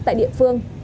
tại địa phương